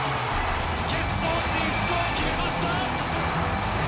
決勝進出を決めました！